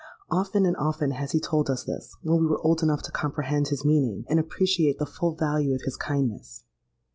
Often and often has he told us this, when we were old enough to comprehend his meaning, and appreciate the full value of his kindness.